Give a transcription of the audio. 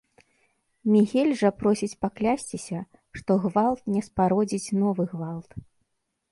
Мігель жа просіць паклясціся, што гвалт не спародзіць новы гвалт.